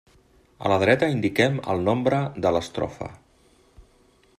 A la dreta indiquem el nombre de l'estrofa.